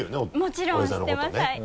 もちろん知ってます。